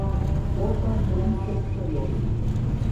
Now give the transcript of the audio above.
Both are heavy set fellows.